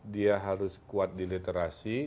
dia harus kuat di literasi